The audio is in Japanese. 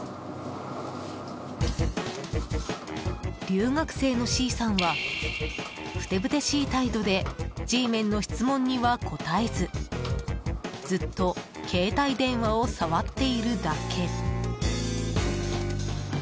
留学生のＣさんはふてぶてしい態度でＧメンの質問には答えずずっと携帯電話を触っているだけ。